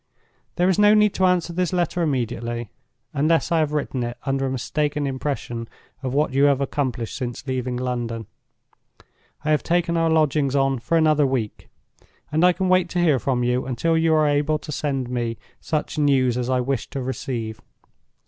"There is no need to answer this letter immediately—unless I have written it under a mistaken impression of what you have accomplished since leaving London. I have taken our lodgings on for another week; and I can wait to hear from you until you are able to send me such news as I wish to receive.